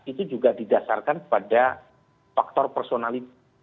itu juga didasarkan pada faktor personality